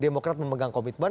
demokrat memegang komitmen